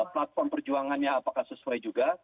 platform perjuangannya apakah sesuai juga